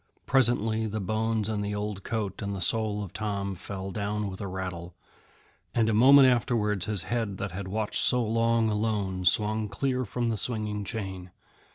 Presently, the bones and the old coat and the soul of Tom fell down with a rattle, and a moment afterwards his head that had watched so long alone swung clear from the swinging chain.